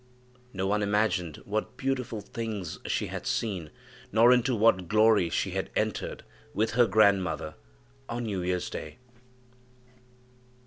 No one imagined what beautiful things she had seen, nor into what glory she had entered with her grandmother, on New year's day.